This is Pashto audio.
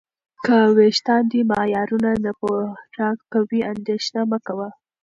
که وېښتان دې معیارونه نه پوره کوي، اندېښنه مه کوه.